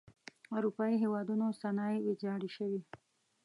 اروپايي هېوادونو صنایع ویجاړې شوئ.